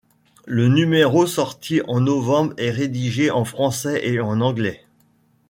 Le numéro sorti en novembre est rédigé en français et anglais.